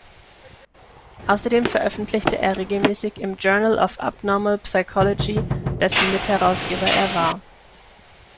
Außerdem veröffentlichte er regelmäßig im "Journal of Abnormal Psychology", dessen Mitherausgeber er war.